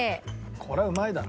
これはうまいだろ。